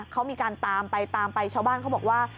เขามีการตามไปตามไปชาวบ้านเขาบอกว่า